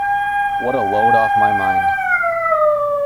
What a load off my mind!